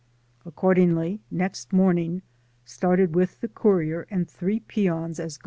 Accord ingly, next morning started with the courier and three peons as.